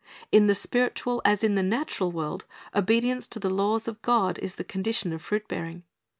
In the spiritual as in the natural world, obedience to the laws of God is the condition of fruit bearing.